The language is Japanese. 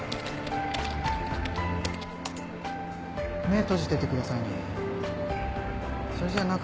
目閉じててくださいね。